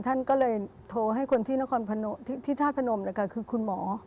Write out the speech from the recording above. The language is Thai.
ท่านก็เลยโทรให้คนที่ทาสพนมคือคุณหมอ